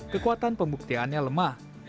kekuatan pembuktiannya lemah